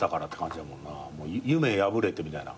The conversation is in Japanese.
夢破れてみたいな。